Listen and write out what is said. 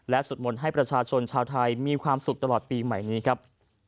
สวดมนต์ให้ประชาชนชาวไทยมีความสุขตลอดปีใหม่นี้ครับ